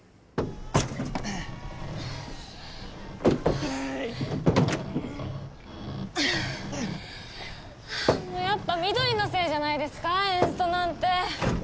はぁもうやっぱ緑のせいじゃないですかエンストなんて。